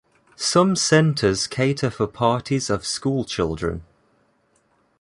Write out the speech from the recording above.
Some centres cater for parties of school children.